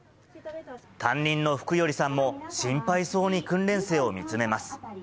担任の福頼さんも、心配そうに訓練生を見つめます。